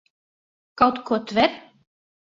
Kaut ko tver?